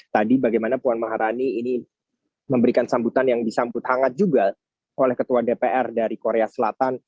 tadi bagaimana puan maharani ini memberikan sambutan yang disambut hangat juga oleh ketua dpr dari korea selatan